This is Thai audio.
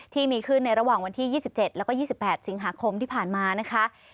ที่มีขึ้นในระหว่างวันที่๒๗แล้วก็๒๘สิงหาคมที่ผ่านมานะคะ